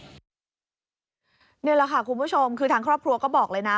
นี่แหละค่ะคุณผู้ชมคือทางครอบครัวก็บอกเลยนะ